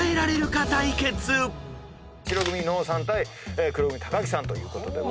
白組伊野尾さん対黒組木さんということで。